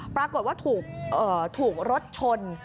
ปรากฏว่าถูกรถชน